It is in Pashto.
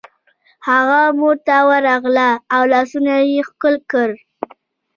هغه مور ته ورغله او لاسونه یې ښکل کړل